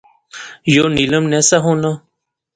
یو نیلم نہسا ہونا